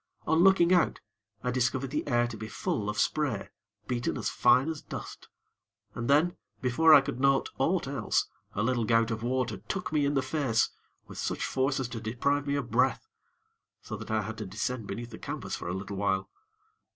On looking out, I discovered the air to be full of spray, beaten as fine as dust, and then, before I could note aught else, a little gout of water took me in the face with such force as to deprive me of breath; so that I had to descend beneath the canvas for a little while.